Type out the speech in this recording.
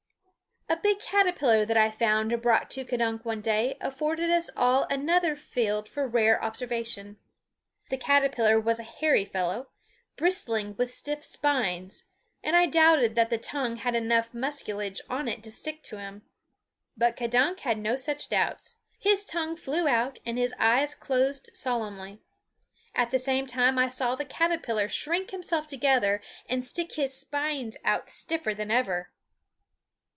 A big caterpillar that I found and brought to K'dunk one day afforded us all another field for rare observation. The caterpillar was a hairy fellow, bristling with stiff spines, and I doubted that the tongue had enough mucilage on it to stick to him. But K'dunk had no such doubts. His tongue flew out and his eyes closed solemnly. At the same time I saw the caterpillar shrink himself together and stick his spines out stiffer than ever.